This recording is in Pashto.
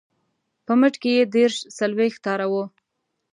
په مټ کې یې دېرش څلویښت تاره وه.